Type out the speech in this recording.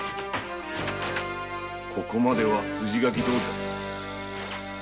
ここまでは筋書きどおりだった。